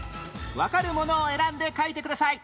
わかるものを選んで書いてください